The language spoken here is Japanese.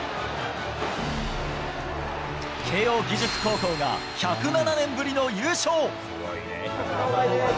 慶応義塾高校が１０７年ぶりの優号外です。